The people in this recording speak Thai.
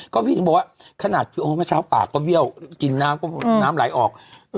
ก็พี่ถึงบอกว่าขนาดพี่โอเมื่อเช้าปากก็เบี้ยวกินน้ำก็น้ำไหลออก